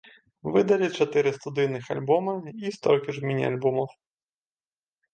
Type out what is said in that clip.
Выдалі чатыры студыйных альбомы і столькі ж міні-альбомаў.